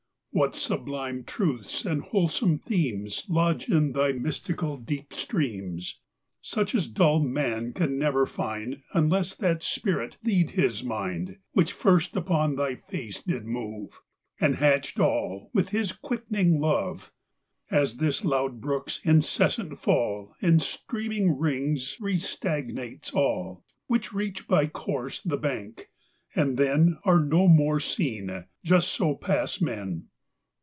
What sublime truths and wholesome themes Lodge in thj mystical, deep streams! Such as dull man can never find, Unless that Spirit lead his mind. Which first upon thy face did move And hatched all with His quickening love. As this loud brook's incessant fall In streaming rings restagnates all, WHiich reach by course the bank, and then Are no more seen : just so pass men.